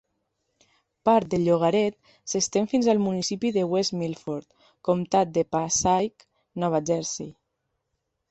Part del llogarret s'estén fins al municipi de West Milford, comtat de Passaic, Nova Jersey.